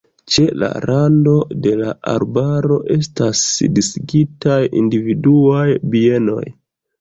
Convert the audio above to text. Ĉe la rando de la arbaro estas disigitaj individuaj bienoj.